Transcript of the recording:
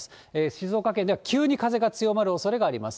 静岡県では急に風が強まるおそれがあります。